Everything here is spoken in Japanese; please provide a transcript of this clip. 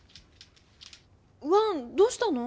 ワンどうしたの？